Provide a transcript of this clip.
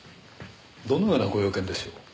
どのようなご用件でしょう？